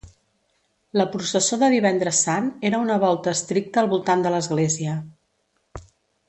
La processó de Divendres Sant era una volta estricta al voltant de l'església.